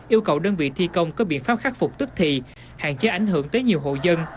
yêu cầu đơn vị thi công có biện pháp khắc phục tức thì hạn chế ảnh hưởng tới nhiều hộ dân